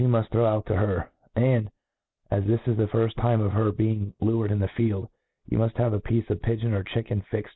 muft throw out to her ; and, as this is the firft time' of her be ing lured in the field, you muft have a' piece of pigeon or chicken fixed.